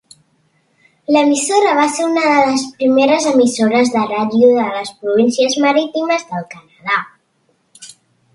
L'emissora va ser una de les primeres emissores de ràdio de les Províncies Marítimes del Canadà.